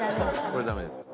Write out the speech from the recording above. これダメですか？